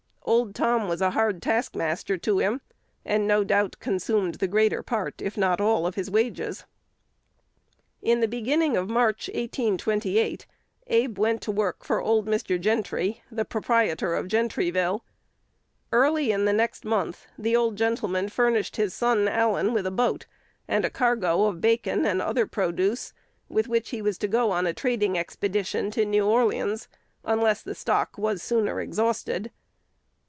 Old Tom was a hard taskmaster to him, and, no doubt, consumed the greater part, if not all, of his wages. In the beginning of March, 1828, Abe went to work for old Mr. Gentry, the proprietor of Gentryville. Early in the next month, the old gentleman furnished his son Allen with a boat, and a cargo of bacon and other produce, with which he was to go on a trading expedition to New Orleans, unless the stock was sooner exhausted.